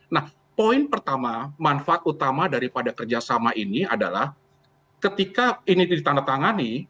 nah poin pertama manfaat utama daripada kerjasama ini adalah ketika ini ditandatangani